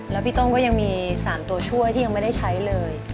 แล้วพี่โต้งก็ยังมี๓ตัวช่วยที่ยังไม่ได้ใช้เลย